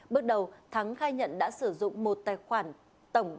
bước đầu thắng khai nhận đã sử dụng một tài khoản tổng